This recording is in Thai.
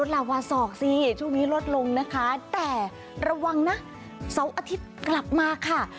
ลวาสอกช่วงนี้ลดลงแต่ระวังนะเวลาเส้าอาทิตย์กลับมาค่ะ